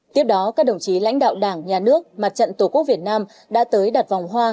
tiếp đó các đồng chí lãnh đạo đảng nhà nước mặt trận tổ quốc việt nam đã tới đặt vòng hoa